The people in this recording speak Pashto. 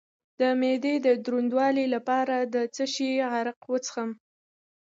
د معدې د دروندوالي لپاره د څه شي عرق وڅښم؟